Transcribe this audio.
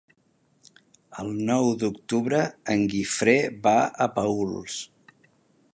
El nou d'octubre en Guifré va a Paüls.